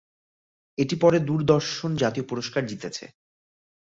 এটি পরে দূরদর্শন জাতীয় পুরস্কার জিতেছে।